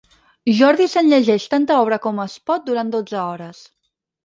Jordi se'n llegeix tanta obra com es pot durant dotze hores.